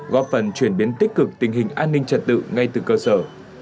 góp phần chuyển biến tích cực tình hình an ninh trật tự ngay từ cơ sở